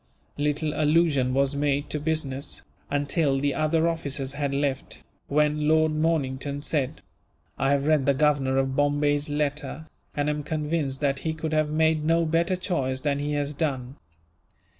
Little allusion was made to business, until the other officers had left, when Lord Mornington said: "I have read the Governor of Bombay's letter, and am convinced that he could have made no better choice than he has done.